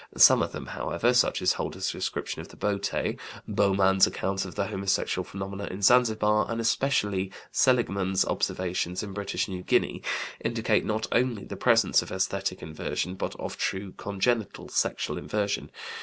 Some of them, however, such as Holder's description of the boté, Baumann's account of homosexual phenomena in Zanzibar, and especially Seligmann's observations in British New Guinea, indicate not only the presence of esthetic inversion but of true congenital sexual inversion.